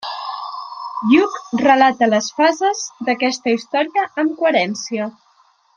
Lluc relata les fases d’aquesta història amb coherència.